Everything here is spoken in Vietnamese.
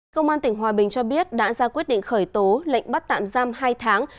công an tỉnh hòa bình cho biết đã ra quyết định khởi tố lệnh bắt tạm giam hai tháng